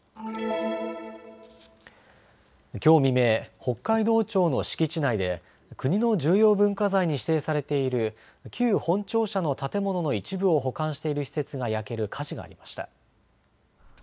きょう未明、北海道庁の敷地内で国の重要文化財に指定されている旧本庁舎の建物の一部を保管している施設が焼ける火事がありました。